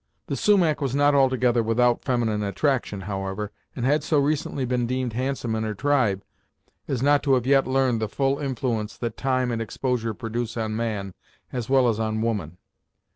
The Sumach was not altogether without feminine attraction, however, and had so recently been deemed handsome in her tribe, as not to have yet learned the full influence that time and exposure produce on man, as well as on woman.